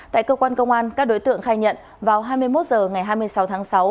tại cơ quan công an các đối tượng khai nhận vào hai mươi một h ngày hai mươi sáu tháng sáu